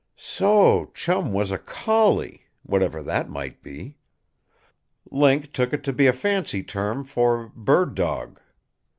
So Chum was a "collie" whatever that might be. Link took it to be a fancy term for "bird dog."